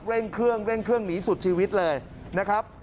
เร่งเครื่องเร่งเครื่องหนีสุดชีวิตเลยนะครับ